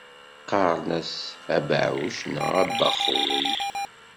Qqaren-as abɛuc neɣ abexxuy.